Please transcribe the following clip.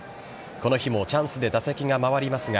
この日もチャンスで打席が回りますが